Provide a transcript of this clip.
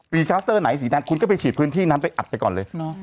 มีคลัสเตอร์ไหนสีแดงคุณก็ไปฉีดพื้นที่นั้นไปอัดไปก่อนเลย